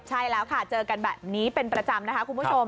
ใช่แล้วค่ะเจอกันแบบนี้เป็นประจำนะคะคุณผู้ชม